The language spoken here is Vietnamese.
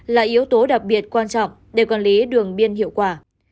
là yếu tố đặc biệt quan trọng để quản lý đường biên hiệu quả